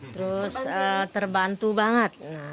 terus terbantu banget